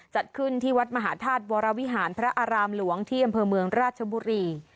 จัดขึ้นที่วัดมหาธาตุวรวิหารพระอารามหลวงที่อำเภอเมืองราชบุรี